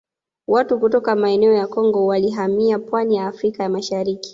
Watu kutoka maeneo ya Kongo walihamia pwani ya Afrika ya Mashariki